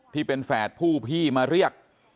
ที่เป็นแฝดผู้พี่มาเรียก